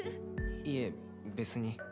いえ別に。